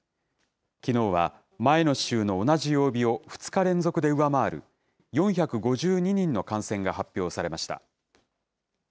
きのうは前の週の同じ曜日を２日連続で上回る、４５２人の感染が発表されました。